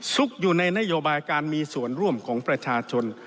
อยู่ในนโยบายการมีส่วนร่วมของประชาชน